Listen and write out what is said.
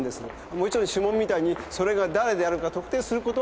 もちろん指紋みたいにそれがだれであるか特定することはできませんけどもね。